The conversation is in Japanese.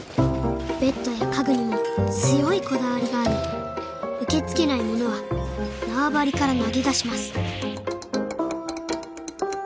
ベッドや家具にも強いこだわりがあり受け付けない物は縄張りから投げ出します